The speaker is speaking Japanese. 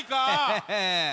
ヘヘヘッ。